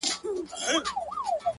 په دغه خپل وطن كي خپل ورورك-